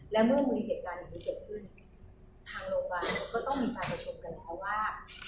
แล้วเมื่อมือเกิดขนาดนี้เกิดขึ้นทางโรคบริบันก็ต้องมีประชุมกันแล้วว่า